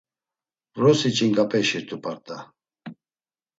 Vrosi ç̌inǩapeşirt̆u p̌art̆a.